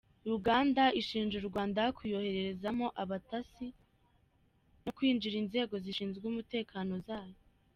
Uganda ishinja U Rwanda kuyoherezamo abatasi no kwinjirira inzego zishinzwe umutekano zayo.